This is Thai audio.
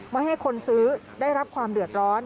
ไม่ให้คนซื้อได้รับความเดือดร้อน